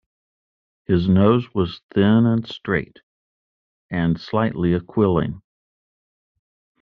His nose was "thin and straight" and "slightly aquiline.